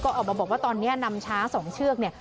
ออกมาบอกว่าตอนนี้นำช้าง๒เชือกเนี่ย